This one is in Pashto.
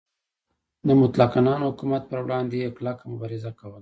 د مطلق العنان حکومت پروړاندې یې کلکه مبارزه کوله.